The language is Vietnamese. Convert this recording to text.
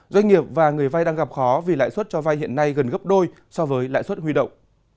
doanh nghiệp và người vay đang gặp khó vì lãi suất cho vay hiện nay gần gấp đôi so với lãi suất huy động